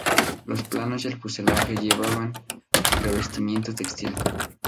Los planos y el fuselaje llevaban revestimiento textil.